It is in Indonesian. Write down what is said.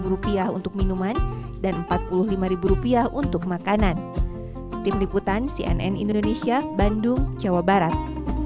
rupiah untuk minuman dan empat puluh lima rupiah untuk makanan tim liputan cnn indonesia bandung jawa barat